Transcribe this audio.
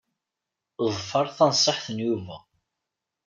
Ḍfer tanṣiḥt n Yuba.